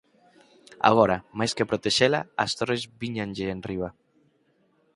Agora, máis que protexela, as torres víñanlle enriba.